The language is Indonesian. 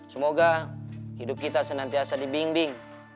semoga hidup kita senantiasa dibimbing